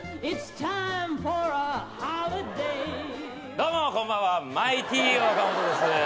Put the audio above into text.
どうもこんばんはマイティーオカモトです。